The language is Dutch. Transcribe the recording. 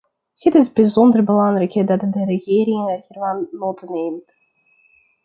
Het is bijzonder belangrijk dat de regering hiervan nota neemt.